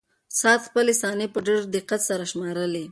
ساعت خپلې ثانیې په ډېر دقت سره شمارلې.